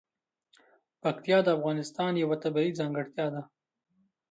پکتیا د افغانستان یوه طبیعي ځانګړتیا ده.